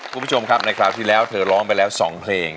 คุณผู้ชมครับในคราวที่แล้วเธอร้องไปแล้ว๒เพลง